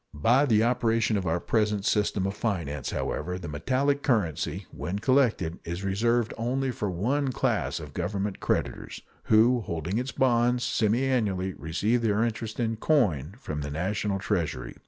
By the operation of our present system of finance however, the metallic currency, when collected, is reserved only for one class of Government creditors, who, holding its bonds, semiannually receive their interest in coin from the National Treasury.